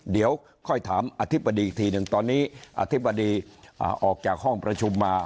เดี๋ยวค่อยถามอธิบดีอีกทีหนึ่งตอนนี้อธิบดีออกจากห้องประชุมมา